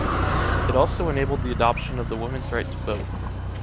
It also enabled the adoption of the women’s right to vote.